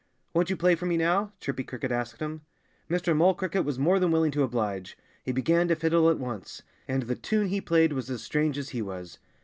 "Won't you play for me now?" Chirpy Cricket asked him. Mr. Mole Cricket was more than willing to oblige. He began to fiddle at once. And the tune he played was as strange as he was.